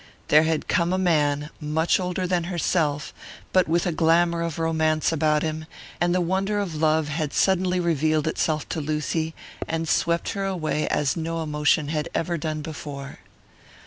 There had come a man, much older than herself, but with a glamour of romance about him; and the wonder of love had suddenly revealed itself to Lucy, and swept her away as no emotion had ever done before.